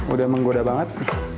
udah menggoda banget